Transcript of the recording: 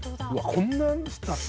こんな。